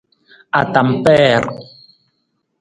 Atampeer.